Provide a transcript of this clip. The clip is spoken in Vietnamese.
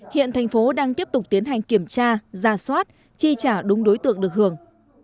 hiện thành phố đang tiếp tục tiến hành kiểm tra ra soát chi trả đúng đối tượng được hưởng